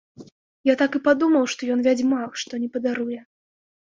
Я так і падумаў, што ён вядзьмак, што не падаруе.